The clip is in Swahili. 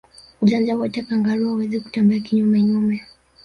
Ujanja wote kangaroo hawezi kutembea kinyume nyume